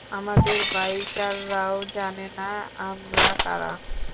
আমাদের বাইকাররাও জানে না আমরা কারা।